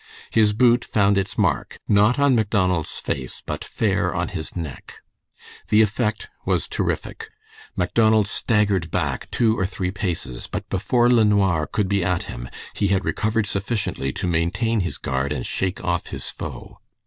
His boot found its mark, not on Macdonald's face, but fair on his neck. The effect was terrific. Macdonald staggered back two or three paces, but before LeNoir could be at him, he had recovered sufficiently to maintain his guard, and shake off his foe.